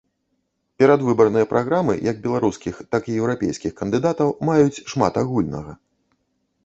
Перадвыбарныя праграмы як беларускіх, так і еўрапейскіх кандыдатаў маюць шмат агульнага.